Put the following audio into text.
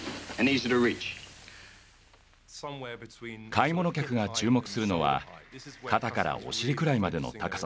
買い物客が注目するのは肩からお尻くらいまでの高さです。